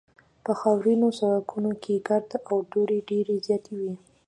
په خاورینو سړکونو کې ګرد او دوړې ډېرې زیاتې وې